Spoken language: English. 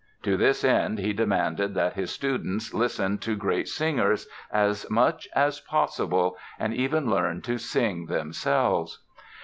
To this end he demanded that his students listen to great singers as much as possible and even learn to sing themselves.